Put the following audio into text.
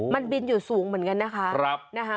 มันบินอยู่สูงเหมือนกันนะคะ